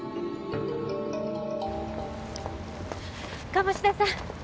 鴨志田さん。